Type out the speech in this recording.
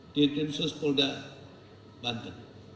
di dinsus polda banten